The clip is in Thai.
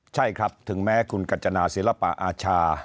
ใช่ครับถึงแม้คุณกัจจนาศิลปะอาชา